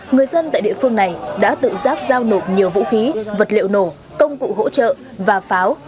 người dân tại địa phương này đã tự giác giao nộp nhiều vũ khí vật liệu nổ công cụ hỗ trợ và pháo